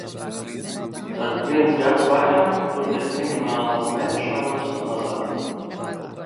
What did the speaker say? Tātad viens gads vairāk, toties minimālās mēnešalgas mazāk.